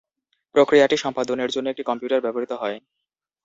প্রক্রিয়াটি সম্পাদনের জন্য একটি কম্পিউটার ব্যবহৃত হয়।